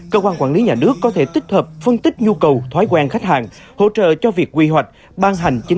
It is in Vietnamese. cảm ơn quý vị đã quan tâm theo dõi